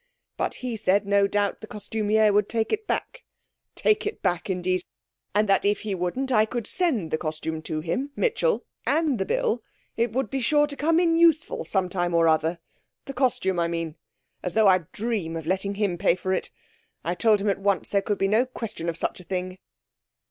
But he said no doubt the costumier would take it back. Take it back, indeed! And that if he wouldn't I could send the costume to him Mitchell and the bill it would be sure to come in useful some time or other the costume, I mean. As though I'd dream of letting him pay for it! I told him at once there could be no question of such a thing.'